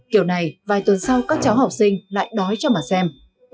kiểu này vài tuần sau các cháu học sinh lại đói cho mà xem